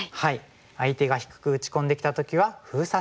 相手が低く打ち込んできた時は封鎖すると。